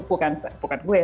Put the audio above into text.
bukan saya bukan gue